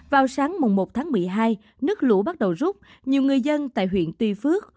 vào sáng một tháng một mươi hai nước lũ bắt đầu rút nhiều người dân tại huyện tuy phước